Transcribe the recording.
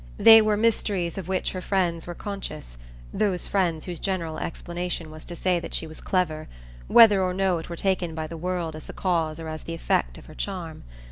They were mysteries of which her friends were conscious those friends whose general explanation was to say that she was clever, whether or no it were taken by the world as the cause or as the effect of her charm.